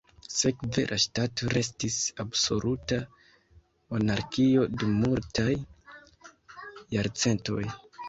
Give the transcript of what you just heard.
Sekve, la ŝtato restis absoluta monarkio dum multaj jarcentoj.